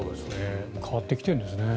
変わってきているんですね。